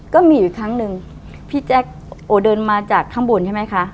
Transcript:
ก็มีอยู่ครั้งหนึ่งพี่แจ๊คโอ้เดินมาจากข้างบนใช่ไหมคะ